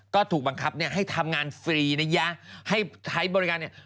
ก็ถูกบังคับเนี่ยให้ทำงานฟรีนะยะให้ใช้บริการเนี่ย